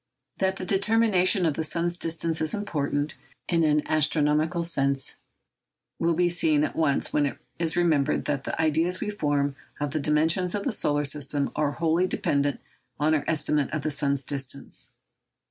That the determination of the sun's distance is important, in an astronomical sense, will be seen at once when it is remembered that the ideas we form of the dimensions of the solar system are wholly dependent on our estimate of the sun's distance.